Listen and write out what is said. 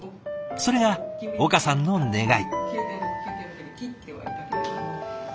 それが岡さんの願い。